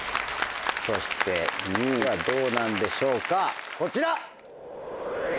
そして２位はどうなんでしょうかこちら！